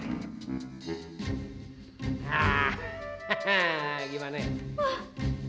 hah gimana ya